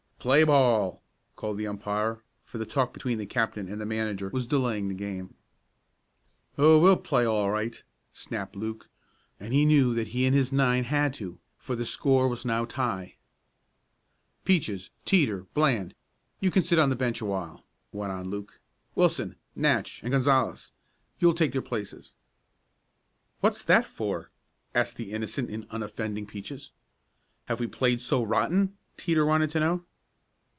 "Play ball!" called the umpire, for the talk between the captain and manager was delaying the game. "Oh, we'll play all right," snapped Luke, and he knew that he and his nine had to, for the score was now tie. "Peaches, Teeter, Bland, you can sit on the bench a while!" went on Luke. "Wilson, Natch and Gonzales, you'll take their places." "What's that for?" asked the innocent and unoffending Peaches. "Have we played so rotten?" Teeter wanted to know.